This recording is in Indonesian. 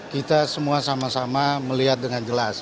kita semua sama sama melihat dengan jelas